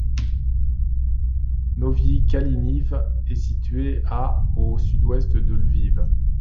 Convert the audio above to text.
Novyï Kalyniv est située à au sud-ouest de Lviv.